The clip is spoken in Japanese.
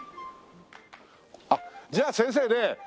じゃあ先生ね